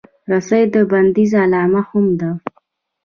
رسۍ د بندیز علامه هم ده.